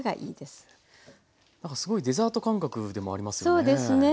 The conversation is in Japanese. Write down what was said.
すごいデザート感覚でもありますよね。